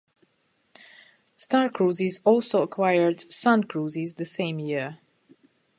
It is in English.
Star Cruises also acquired Sun Cruises the same year.